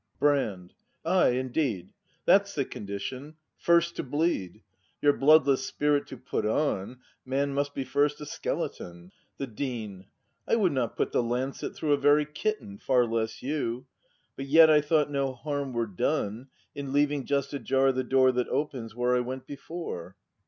Brand. Ay, indeed. That's the condition! First to bleed! Your bloodless spirit to put on Man must be first a skeleton! The Dean. I would not put the lancet through A very kitten — far less you; But yet I thought no harm were done In leaving just ajar the door That opens, where I went before.